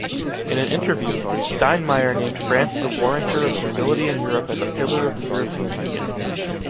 In an interview, Steinmeier named France the warrantor of stability in Europe and the pillar of the European Union.